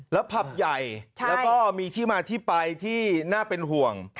แล้วผับใหญ่แล้วก็มีที่มาที่ไปที่น่าเป็นห่วง